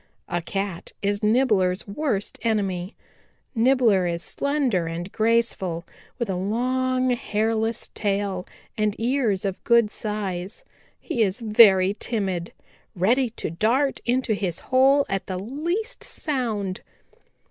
A Cat is Nibbler's worst enemy. Nibbler is slender and graceful, with a long, hairless tail and ears of good size. He is very timid, ready to dart into his hole at the least sound.